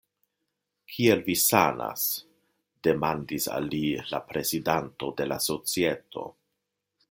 Kiel vi sanas? demandis al li la prezidanto de la societo.